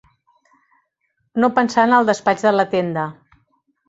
No pensar en el despatx de la tenda